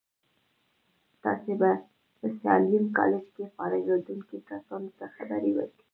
تاسې په ساليم کالج کې فارغېدونکو کسانو ته خبرې وکړې.